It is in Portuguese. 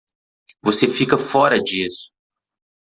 Você fica fora disso.